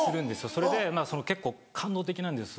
それで結構感動的なんです